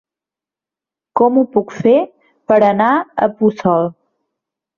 Com ho puc fer per anar a Puçol?